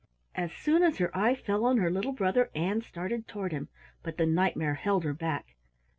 As soon as her eye fell on her little brother, Ann started toward him, but the Knight mare held her back.